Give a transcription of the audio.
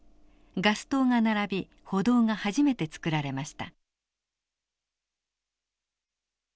ガス灯が並び歩道が初めて造られました。